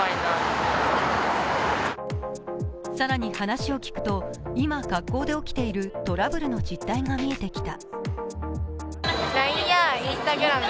更に話を聞くと、今学校で起きているトラブルの実態が見えてきた。